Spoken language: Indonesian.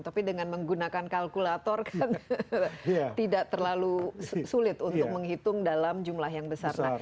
tapi dengan menggunakan kalkulator kan tidak terlalu sulit untuk menghitung dalam jumlah yang besar